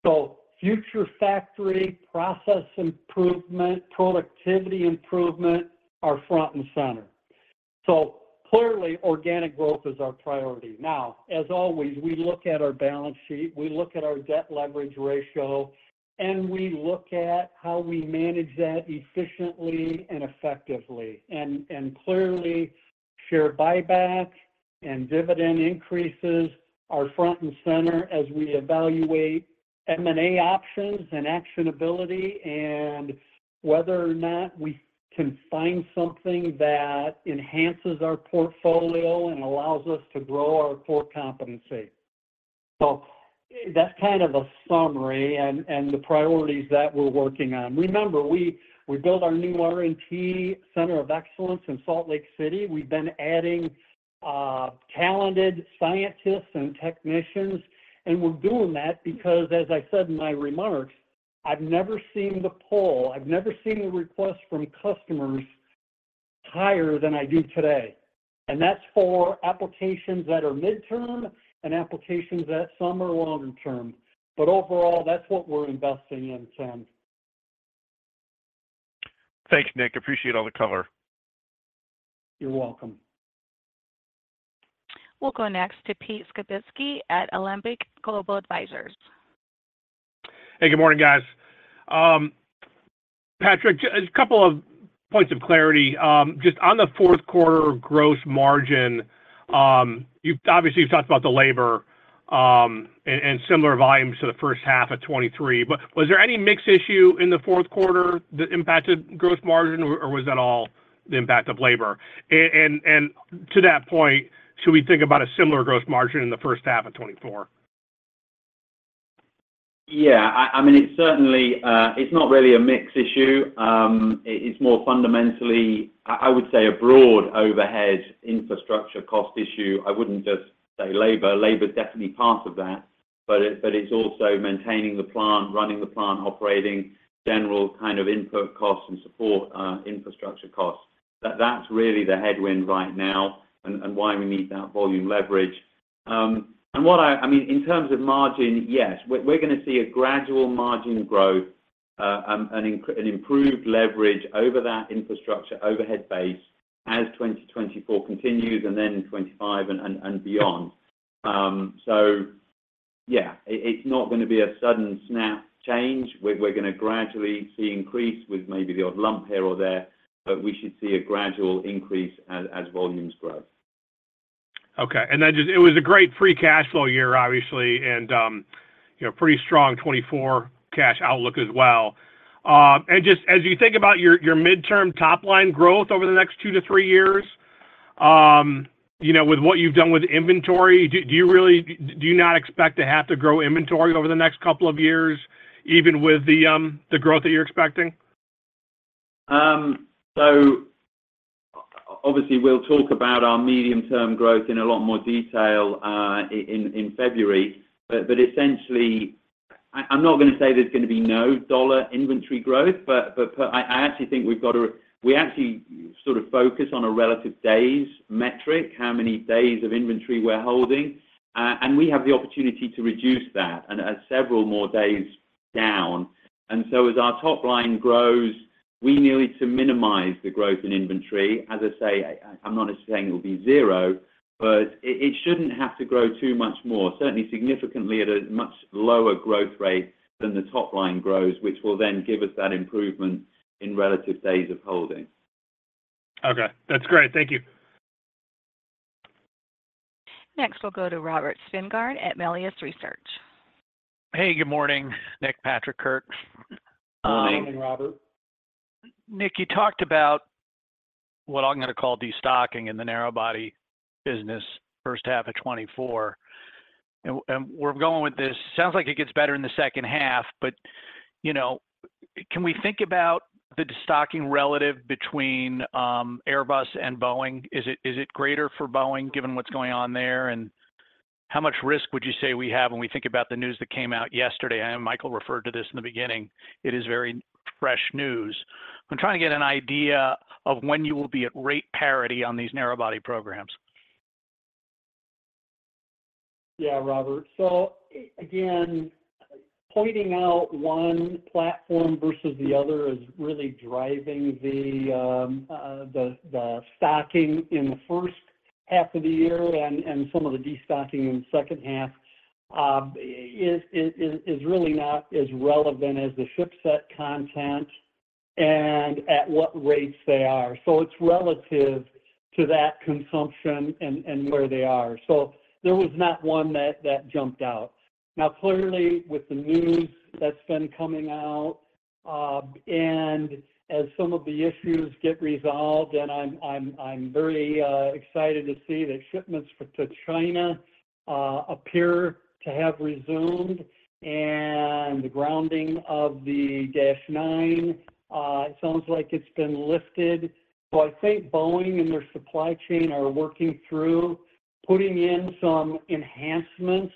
So future factory, process improvement, productivity improvement are front and center. So clearly, organic growth is our priority. Now, as always, we look at our balance sheet, we look at our debt leverage ratio, and we look at how we manage that efficiently and effectively. And clearly, share buybacks and dividend increases are front and center as we evaluate M&A options and actionability, and whether or not we can find something that enhances our portfolio and allows us to grow our core competency. So that's kind of a summary and the priorities that we're working on. Remember, we built our new R&T Center of Excellence in Salt Lake City. We've been adding talented scientists and technicians, and we're doing that because, as I said in my remarks, I've never seen the pull, I've never seen a request from customers higher than I do today, and that's for applications that are midterm and applications that some are longer term. But overall, that's what we're investing in, Ken. Thanks, Nick. Appreciate all the color. You're welcome. We'll go next to Pete Skibitski at Alembic Global Advisors. Hey, good morning, guys. Patrick, just a couple of points of clarity. Just on the fourth quarter gross margin, you've obviously talked about the labor and similar volumes to the first half of 2023. But was there any mix issue in the fourth quarter that impacted gross margin, or was that all the impact of labor? And to that point, should we think about a similar gross margin in the first half of 2024? Yeah, I, I mean, it's certainly, it's not really a mix issue. It is more fundamentally, I, I would say, a broad overhead infrastructure cost issue. I wouldn't just say labor. Labor is definitely part of that, but it, but it's also maintaining the plant, running the plant, operating, general kind of input costs and support, infrastructure costs. That, that's really the headwind right now and, and why we need that volume leverage. And what I... I mean, in terms of margin, yes, we're, we're going to see a gradual margin growth, an improved leverage over that infrastructure, overhead base as 2024 continues, and then in 2025 and, and, and beyond. So yeah, it, it's not going to be a sudden snap change. We're going to gradually see increase with maybe the odd lump here or there, but we should see a gradual increase as volumes grow. Okay. And then just, it was a great free cash flow year, obviously, and, you know, pretty strong 2024 cash outlook as well. And just as you think about your, your midterm top-line growth over the next two to three years, you know, with what you've done with inventory, do you really not expect to have to grow inventory over the next couple of years, even with the growth that you're expecting? So obviously, we'll talk about our medium-term growth in a lot more detail in February. But essentially, I'm not going to say there's going to be no dollar inventory growth, but I actually think we've got, we actually sort of focus on a relative days metric, how many days of inventory we're holding. And we have the opportunity to reduce that and add several more days down. And so as our top line grows, we need to minimize the growth in inventory. As I say, I'm not saying it will be zero, but it shouldn't have to grow too much more. Certainly significantly at a much lower growth rate than the top line grows, which will then give us that improvement in relative days of holding. Okay, that's great. Thank you. Next, we'll go to Robert Spingarn at Melius Research. Hey, good morning, Nick, Patrick, Kurt. Good morning, Robert. Nick, you talked about what I'm going to call destocking in the narrow-body business, first half of 2024. And we're going with this. Sounds like it gets better in the second half, but, you know, can we think about the destocking relative between Airbus and Boeing? Is it greater for Boeing, given what's going on there? And how much risk would you say we have when we think about the news that came out yesterday? I know Michael referred to this in the beginning. It is very fresh news. I'm trying to get an idea of when you will be at rate parity on these narrow-body programs. Yeah, Robert. So again, pointing out one platform versus the other is really driving the stocking in the first half of the year and some of the destocking in the second half is really not as relevant as the shipset content and at what rates they are. So it's relative to that consumption and where they are. So there was not one that jumped out. Now, clearly, with the news that's been coming out and as some of the issues get resolved, and I'm very excited to see the shipments to China appear to have resumed, and the grounding of the Dash 9 sounds like it's been lifted. So I think Boeing and their supply chain are working through putting in some enhancements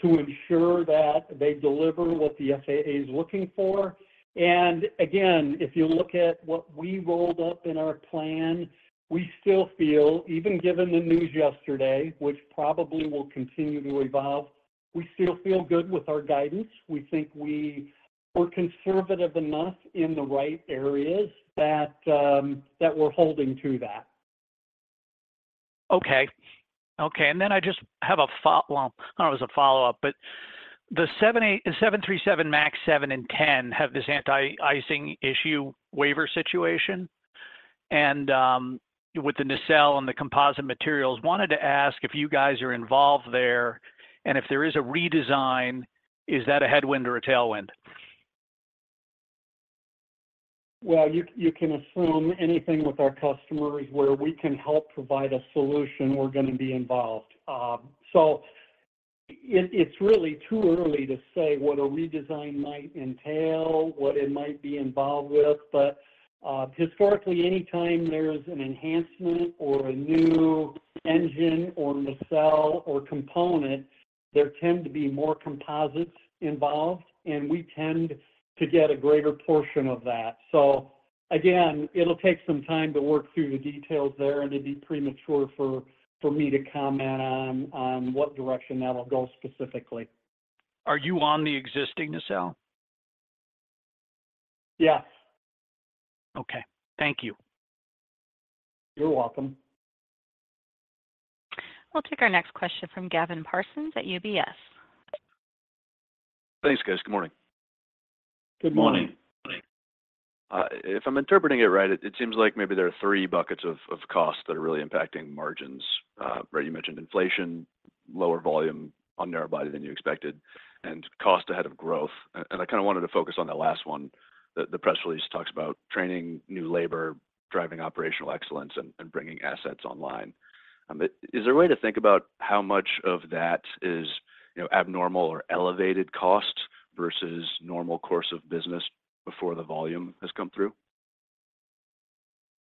to ensure that they deliver what the FAA is looking for. And again, if you look at what we rolled up in our plan, we still feel, even given the news yesterday, which probably will continue to evolve, we still feel good with our guidance. We think we were conservative enough in the right areas that we're holding to that. Okay. Okay, and then I just have a follow-up. Well, I don't know if it's a follow-up, but the 787 737 MAX 7 and 10 have this anti-icing issue waiver situation? And, with the nacelle and the composite materials, wanted to ask if you guys are involved there, and if there is a redesign, is that a headwind or a tailwind? Well, you can assume anything with our customers where we can help provide a solution, we're gonna be involved. So it's really too early to say what a redesign might entail, what it might be involved with, but historically, anytime there's an enhancement or a new engine or nacelle or component, there tend to be more composites involved, and we tend to get a greater portion of that. So again, it'll take some time to work through the details there, and it'd be premature for me to comment on what direction that'll go specifically. Are you on the existing nacelle? Yes. Okay. Thank you. You're welcome. We'll take our next question from Gavin Parsons at UBS. Thanks, guys. Good morning. Good morning. Good morning. If I'm interpreting it right, it seems like maybe there are three buckets of costs that are really impacting margins. Right, you mentioned inflation, lower volume on narrow body than you expected, and cost ahead of growth. And I kind of wanted to focus on that last one. The press release talks about training new labor, driving operational excellence, and bringing assets online. But is there a way to think about how much of that is, you know, abnormal or elevated cost versus normal course of business before the volume has come through?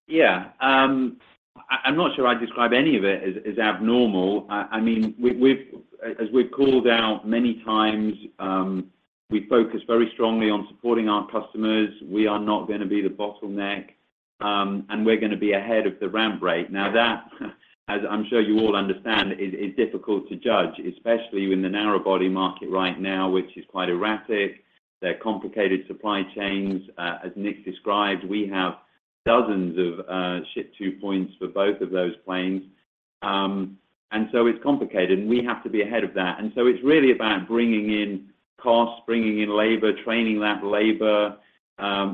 Yeah. I'm not sure I'd describe any of it as abnormal. I mean, as we've called out many times, we focus very strongly on supporting our customers. We are not gonna be the bottleneck, and we're gonna be ahead of the ramp rate. Now, that, as I'm sure you all understand, is difficult to judge, especially in the narrow-body market right now, which is quite erratic. There are complicated supply chains. As Nick described, we have dozens of ship-to points for both of those planes. And so it's complicated, and we have to be ahead of that. And so it's really about bringing in costs, bringing in labor, training that labor,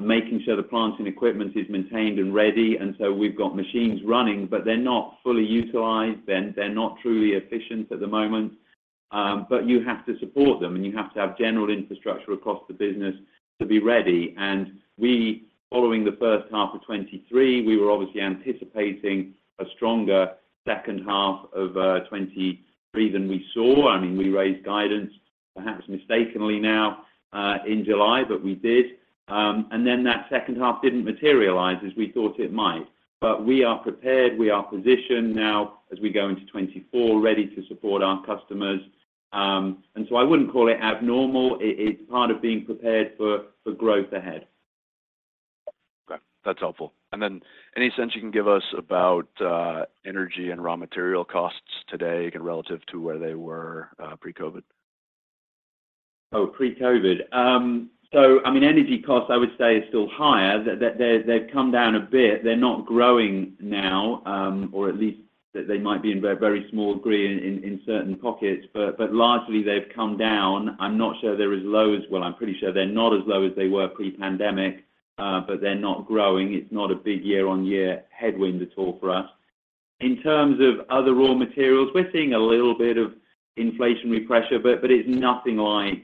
making sure the plant and equipment is maintained and ready. And so we've got machines running, but they're not fully utilized, and they're not truly efficient at the moment. But you have to support them, and you have to have general infrastructure across the business to be ready. And we, following the first half of 2023, we were obviously anticipating a stronger second half of 2023 than we saw. I mean, we raised guidance, perhaps mistakenly now, in July, but we did. And then that second half didn't materialize as we thought it might. But we are prepared, we are positioned now as we go into 2024, ready to support our customers. And so I wouldn't call it abnormal. It's part of being prepared for growth ahead. Okay, that's helpful. And then, any sense you can give us about energy and raw material costs today, again, relative to where they were pre-COVID? Oh, pre-COVID. So I mean, energy costs, I would say, is still higher. They've come down a bit. They're not growing now, or at least that they might be in very small degree in certain pockets, but largely they've come down. I'm not sure they're as low as well, I'm pretty sure they're not as low as they were pre-pandemic, but they're not growing. It's not a big YoY headwind at all for us. In terms of other raw materials, we're seeing a little bit of inflationary pressure, but it's nothing like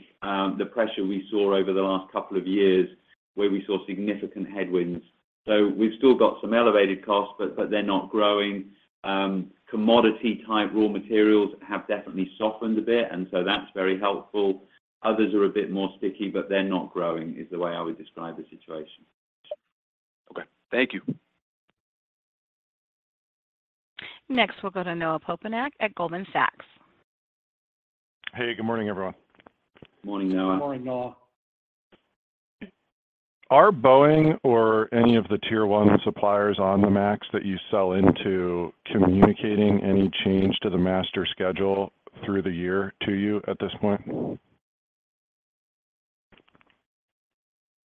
the pressure we saw over the last couple of years, where we saw significant headwinds. So we've still got some elevated costs, but they're not growing. Commodity-type raw materials have definitely softened a bit, and so that's very helpful. Others are a bit more sticky, but they're not growing, is the way I would describe the situation. Okay. Thank you. Next, we'll go to Noah Poponak at Goldman Sachs. Hey, good morning, everyone. Morning, Noah. Good morning, Noah. Are Boeing or any of the tier one suppliers on the MAX that you sell into communicating any change to the master schedule through the year to you at this point?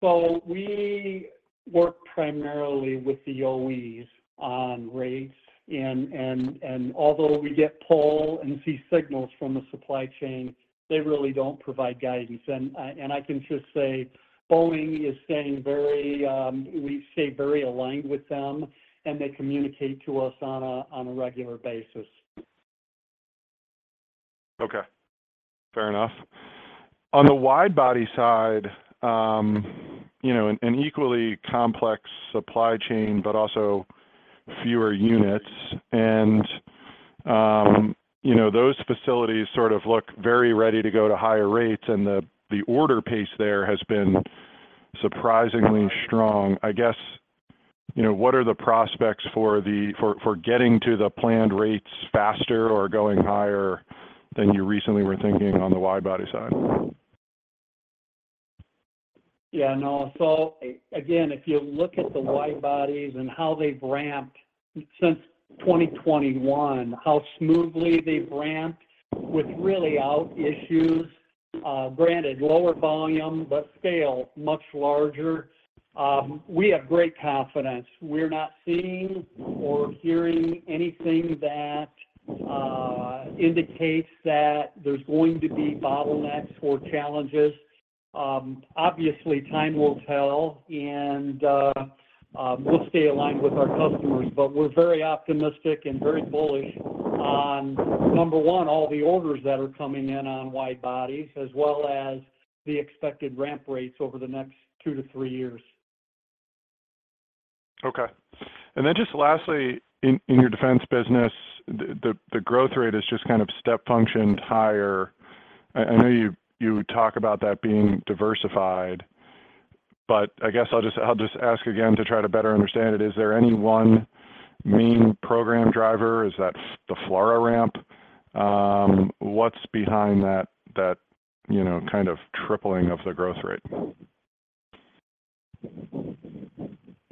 So we work primarily with the OEs on rates, and although we get pull and see signals from the supply chain, they really don't provide guidance. I can just say, Boeing is staying very. We stay very aligned with them, and they communicate to us on a regular basis. Okay, fair enough. On the wide body side, you know, an equally complex supply chain, but also fewer units, and, you know, those facilities sort of look very ready to go to higher rates, and the order pace there has been surprisingly strong. I guess, you know, what are the prospects for—for getting to the planned rates faster or going higher than you recently were thinking on the wide body side? Yeah, Noah, so again, if you look at the wide-bodies and how they've ramped since 2021, how smoothly they've ramped with really no issues, granted lower volume, but still much larger, we have great confidence. We're not seeing or hearing anything that indicates that there's going to be bottlenecks or challenges.... Obviously, time will tell, and we'll stay aligned with our customers, but we're very optimistic and very bullish on, number one, all the orders that are coming in on wide-bodies, as well as the expected ramp rates over the next two-three years. Okay. And then just lastly, in your defense business, the growth rate is just kind of step functioned higher. I know you talk about that being diversified, but I guess I'll just ask again to try to better understand it. Is there any one main program driver? Is that the FLRAA ramp? What's behind that, you know, kind of tripling of the growth rate?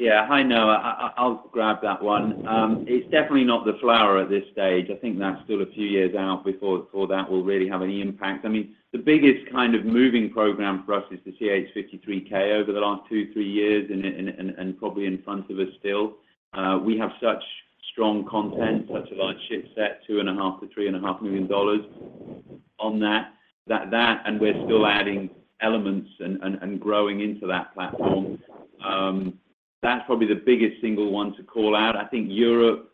Yeah. Hi, Noah. I'll grab that one. It's definitely not the FLRAA at this stage. I think that's still a few years out before that will really have any impact. I mean, the biggest kind of moving program for us is the CH-53K over the last two, three years, and probably in front of us still. We have such strong content, such a large shipset, $2.5 million-$3.5 million on that. And we're still adding elements and growing into that platform. That's probably the biggest single one to call out. I think Europe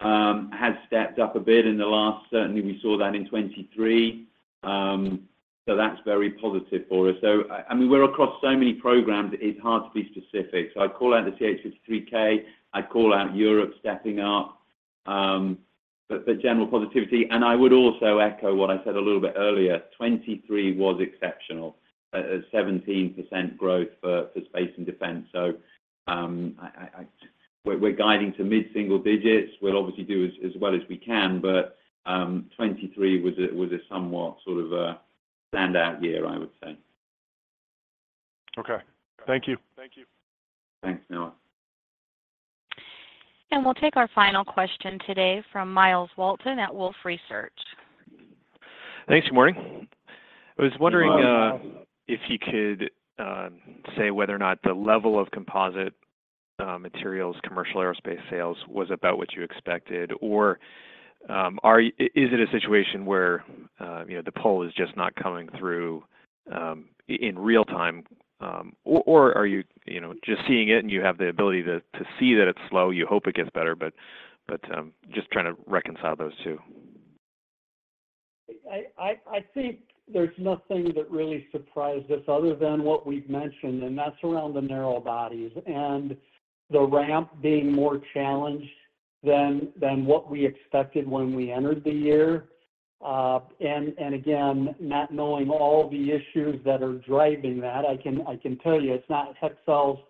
has stepped up a bit in the last, certainly, we saw that in 2023. So that's very positive for us. So, I mean, we're across so many programs, it's hard to be specific. So I'd call out the CH-53K, I'd call out Europe stepping up, but general positivity. And I would also echo what I said a little bit earlier, 2023 was exceptional, a 17% growth for space and defense. So, we're guiding to mid single digits. We'll obviously do as well as we can, but 2023 was a somewhat sort of a standout year, I would say. Okay. Thank you. Thank you. Thanks, Noah. We'll take our final question today from Myles Walton at Wolfe Research. Thanks. Good morning. I was wondering- Good morning, Myles.... if you could say whether or not the level of composite materials commercial aerospace sales was about what you expected, or are you—is it a situation where, you know, the pull is just not coming through in real time? Or are you, you know, just seeing it and you have the ability to see that it's slow, you hope it gets better, but just trying to reconcile those two. I think there's nothing that really surprised us other than what we've mentioned, and that's around the narrow bodies and the ramp being more challenged than what we expected when we entered the year. And again, not knowing all the issues that are driving that, I can tell you it's not Hexcel's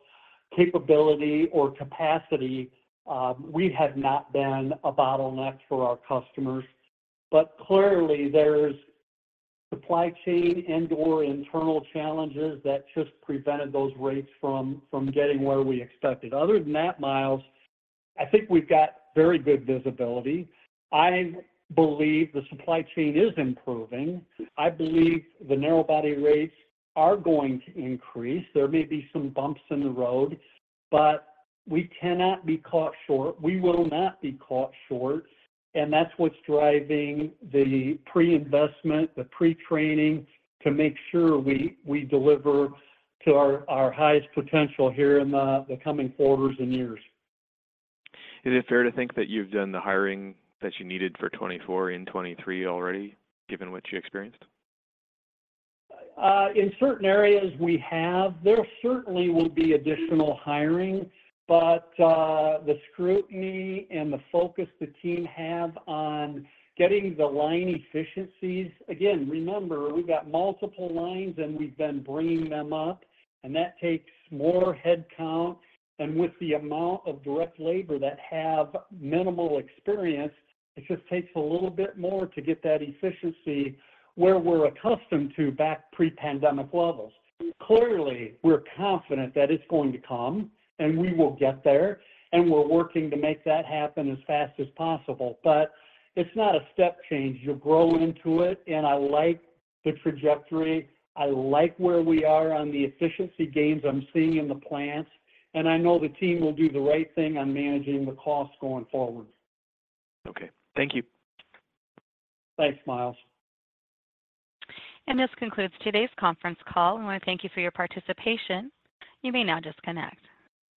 capability or capacity. We have not been a bottleneck for our customers, but clearly there's supply chain and/or internal challenges that just prevented those rates from getting where we expected. Other than that, Myles, I think we've got very good visibility. I believe the supply chain is improving. I believe the narrow body rates are going to increase. There may be some bumps in the road, but we cannot be caught short. We will not be caught short, and that's what's driving the pre-investment, the pre-training to make sure we deliver to our highest potential here in the coming quarters and years. Is it fair to think that you've done the hiring that you needed for 2024 and 2023 already, given what you experienced? In certain areas we have. There certainly will be additional hiring, but the scrutiny and the focus the team have on getting the line efficiencies, again, remember, we've got multiple lines, and we've been bringing them up, and that takes more headcount. And with the amount of direct labor that have minimal experience, it just takes a little bit more to get that efficiency where we're accustomed to back pre-pandemic levels. Clearly, we're confident that it's going to come, and we will get there, and we're working to make that happen as fast as possible. But it's not a step change. You'll grow into it, and I like the trajectory. I like where we are on the efficiency gains I'm seeing in the plants, and I know the team will do the right thing on managing the costs going forward. Okay. Thank you. Thanks, Myles. This concludes today's conference call. I want to thank you for your participation. You may now disconnect.